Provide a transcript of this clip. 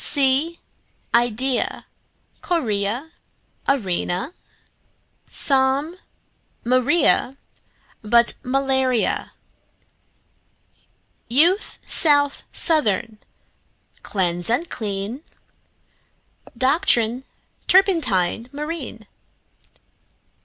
Sea, idea, guinea, area, Psalm; Maria, but malaria; Youth, south, southern; cleanse and clean; Doctrine, turpentine, marine.